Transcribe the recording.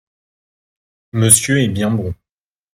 Monsieur est bien bon…